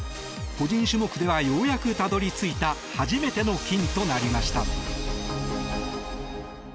個人種目ではようやくたどり着いた初めての金となりました。